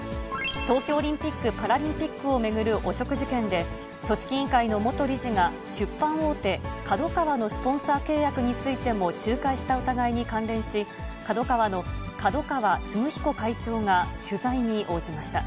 東京オリンピック・パラリンピックを巡る汚職事件で、組織委員会の元理事が出版大手、ＫＡＤＯＫＡＷＡのスポンサー契約についても、仲介した疑いに関連し、ＫＡＤＯＫＡＷＡの角川歴彦会長が取材に応じました。